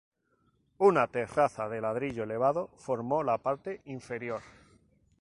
Una terraza de ladrillo elevado formó la parte inferior.